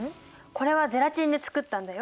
これはゼラチンで作ったんだよ。